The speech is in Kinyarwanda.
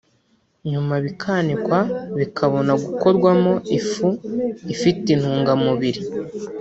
nyuma bikanikwa bikabona gukorwamo ifu ifite intungamubiri